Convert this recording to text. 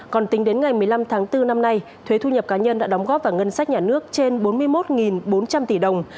còn tính đến ngày một mươi năm tháng bốn năm nay thuế thu nhập cá nhân đã đóng góp vào ngân sách nhà nước trên bốn mươi một bốn trăm linh tỷ đồng